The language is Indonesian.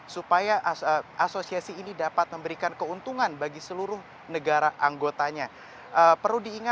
supaya asosiasi ini dapat memberikan keuntungan kepada negara negara yang berada di pesisir samudera india